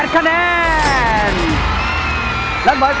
สองร้อยเจ็ดสิบ